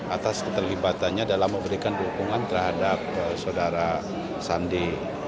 atas keterlibatannya dalam memberikan dukungan terhadap saudara sandi